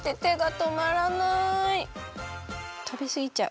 たべすぎちゃう。